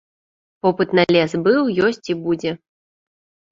Попыт на лес быў, ёсць і будзе.